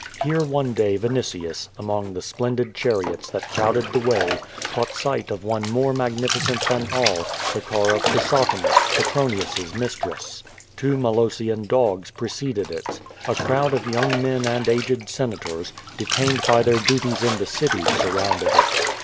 Here one day Vinitius, among the splendid chariots that crowded the way, caught sight of one more magnificent than all, the car of Chrysothemis, Petronius's mistress. Two ^lol ossian dogs preceded it. A crowd of young men and aged Senators, detained by their duties in the city, surrounded it.